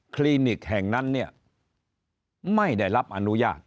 ลินิกแห่งนั้นเนี่ยไม่ได้รับอนุญาต